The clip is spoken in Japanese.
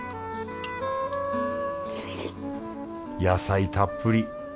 野菜たっぷり。